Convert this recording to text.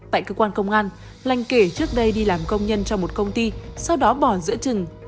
tại cơ quan công an lanh kể trước đây đi làm công nhân cho một công ty sau đó bỏ giữa trừng